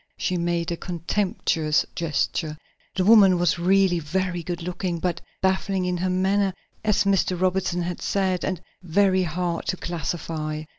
She made a contemptuous gesture. The woman was really very good looking, but baffling in her manner, as Mr. Robinson had said, and very hard to classify.